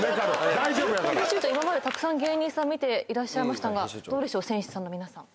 大丈夫やから編集長今までたくさん芸人さん見ていらっしゃいましたがどうでしょう戦士さんの皆さん